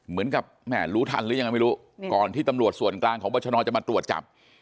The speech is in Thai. แม่นรู้ทันหรือยังไม่รู้ก่อนที่ตำรวจส่วนกลางของวัชชนจะมาตรวจจับ